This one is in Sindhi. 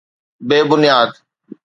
بي بنياد.